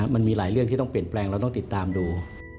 มันมีหลายเรื่องที่ต้องเปลี่ยนแปลงเราต้องติดตามดู